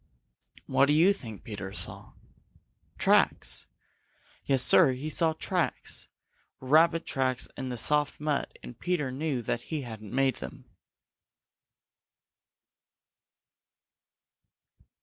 What do you think Peter saw? Tracks! Yes, Sir, he saw tracks, Rabbit tracks in the soft mud, and Peter knew that he hadn't made them!